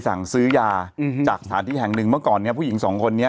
สั่งซื้อยาจากสถานที่แห่งหนึ่งเมื่อก่อนเนี้ยผู้หญิงสองคนนี้